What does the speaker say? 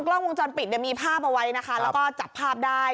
กล้องวงจรปิดเนี่ยมีภาพเอาไว้นะคะแล้วก็จับภาพได้